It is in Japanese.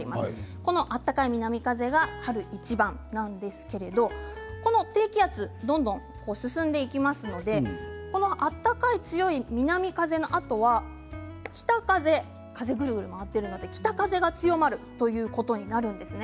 この暖かい南風が春一番なんですけれどこの低気圧はどんどん進んでいきますので暖かい強い南風のあとは北風風はぐるぐる回っているので北風が強まるということになるんです。